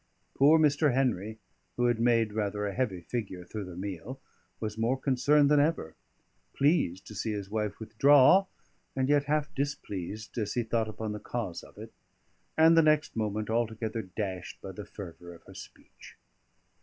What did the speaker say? Poor Mr. Henry, who had made rather a heavy figure through the meal, was more concerned than ever; pleased to see his wife withdraw, and yet half displeased, as he thought upon the cause of it; and the next moment altogether dashed by the fervour of her speech.